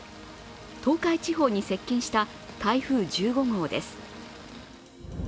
東海地方に接近した台風１５号です。